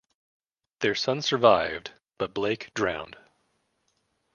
Their son survived, but Blake drowned.